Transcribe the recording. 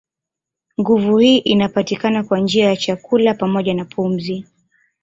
Nguvu hii inapatikana kwa njia ya chakula pamoja na pumzi.